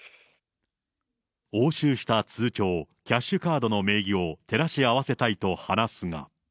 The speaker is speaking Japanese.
押収した通帳、キャッシュカードの名義を照らし合わせたいと話すが。